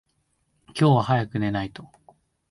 今日は早く寝ないと。